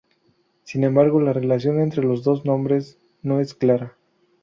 Sin embargo, la relación entre los dos nombres no es clara.